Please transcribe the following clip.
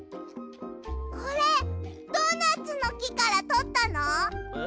これドーナツのきからとったの？え？